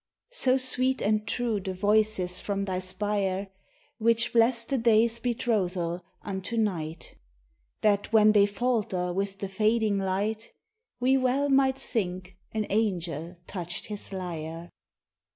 So sweet and true the voices from thy spire, Which bless the day's betrothal unto night, That when they falter with the fading light, We well might think an angel touched his lyre.